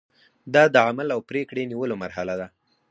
دا د عمل او پریکړې نیولو مرحله ده.